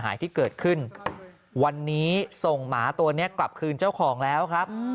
หายที่เกิดขึ้นวันนี้ส่งหมาตัวนี้กลับคืนเจ้าของแล้วครับ